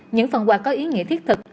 những phần quà có ý nghĩa thiết thực